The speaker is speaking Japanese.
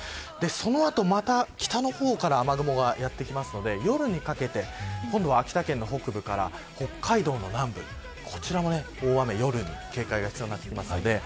その後、また北の方から雨雲がやってきますので夜にかけて今度は秋田県の北部から北海道の南部こちらも大雨夜に警戒が必要になってきます。